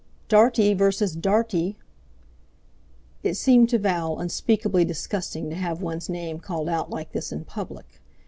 "Dartie versus Dartie!" It seemed to Val unspeakably disgusting to have one's name called out like this in public!